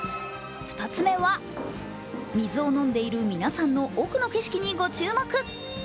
２つ目は、水を飲んでいる皆さんの奥の景色にご注目。